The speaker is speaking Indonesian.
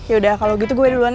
yaudah kalau gitu gue duluan